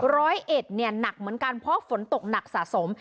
ร้อยเอ็ดเนี่ยหนักเหมือนกันเพราะฝนตกหนักสะสม